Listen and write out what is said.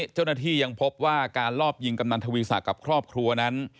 เจ้าหน้าที่ยังพบว่าการลอบยิงกำนันทวีสะกับครอบครัวนั้น